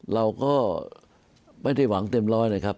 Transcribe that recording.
เราก็ไม่ได้หวังเต็มร้อยเลยครับ